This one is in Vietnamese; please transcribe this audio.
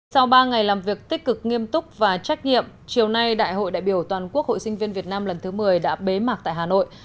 sau ba ngày làm việc tích cực nghiêm túc và trách nhiệm chiều nay đại hội đại biểu toàn quốc hội sinh viên việt nam lần thứ một mươi đã bế mạc tại hà nội